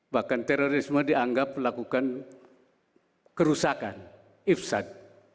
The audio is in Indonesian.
bahkan terorisme dianggap melakukan kerusakan ifsad